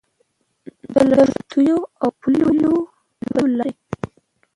د لښتيو او پلیو لارو